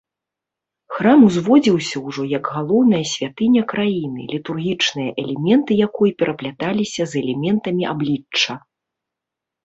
Храм узводзіўся ўжо як галоўная святыня краіны, літургічныя элементы якой перапляталіся з элементамі аблічча.